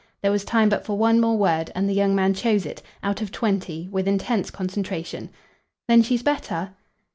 There was time but for one more word, and the young man chose it, out of twenty, with intense concentration. "Then she's better?"